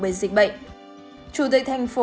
bởi dịch bệnh chủ tịch tp